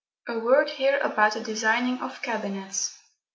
A word here about the designing of cabinets.